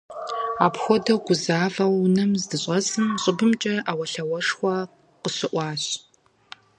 Апхуэдэу гузавэу унэм здыщӏэсым, щӏыбымкӏэ Ӏэуэлъауэшхуэ къыщыӀуащ.